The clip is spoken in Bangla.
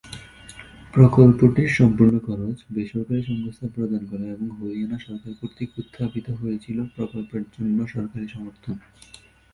প্রকল্পটির সম্পূর্ণ খরচ বেসরকারি সংস্থা প্রদান করে এবং হরিয়ানা সরকার কর্তৃক উত্থাপিত হয়েছিল প্রকল্পের জন্য সরকারি সমর্থন।